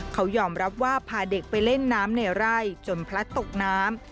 เขายอมรับว่าพาเด็กไปเล่นน้ำในไร่จนพลัดตกน้ำ